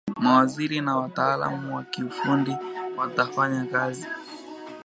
mawaziri na wataalamu wa kiufundi watafanya kazi